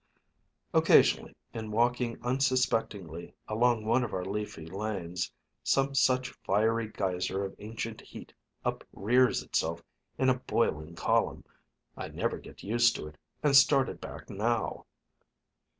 Occasionally, in walking unsuspectingly along one of our leafy lanes, some such fiery geyser of ancient heat uprears itself in a boiling column. I never get used to it, and started back now.